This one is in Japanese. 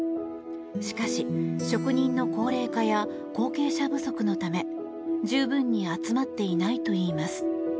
しかし、職人の高齢化や後継者不足のため十分に集まっていないといいます。